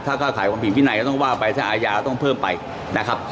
ถ้าเข้าขายความผิดวินัยก็ต้องว่าไปถ้าอาญาต้องเพิ่มไปนะครับ